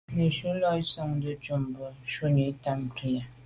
Náná lù gə́ sɔ̀ŋdə̀ ncúp bû shúnì tâm prǐyà.